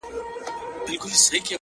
ماته به بله موضوع پاته نه وي’